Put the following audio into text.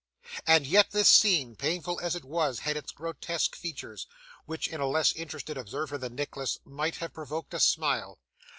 And yet this scene, painful as it was, had its grotesque features, which, in a less interested observer than Nicholas, might have provoked a smile.